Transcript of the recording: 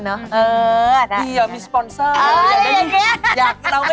สวัสดีครับ